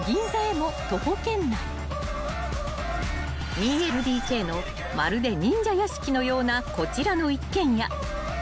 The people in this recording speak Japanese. ［２ＬＤＫのまるで忍者屋敷のようなこちらの一軒家］